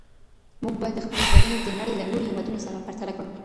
موږ باید خپلي څېړني د نړۍ له نورو هېوادونو سره پرتله کړو.